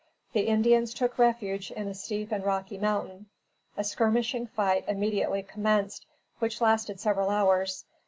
The Indians took refuge in a steep and rocky mountain. A skirmishing fight immediately commenced, which lasted several hours.